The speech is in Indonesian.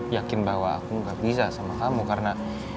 yakin bahwa aku gak bisa sama kamu karena